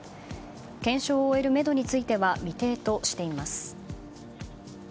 検証を終えるめどについては未定としています。